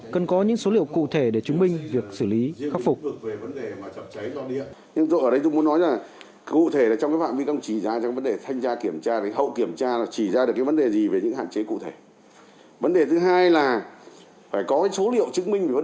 cần có những số liệu cụ thể để chứng minh việc xử lý khắc phục